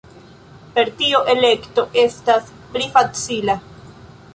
Per tio elekto estas pli facila.